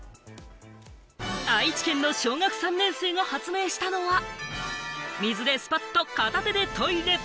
愛知県の小学３年生が発明したのは、「水でスパッとかた手でトイレ」。